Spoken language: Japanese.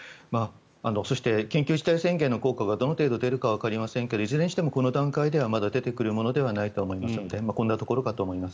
そして、緊急事態宣言の効果がどの程度出るかがわかりませんけどいずれにしてもこの段階では出てくるものではないのでこんなところかと思います。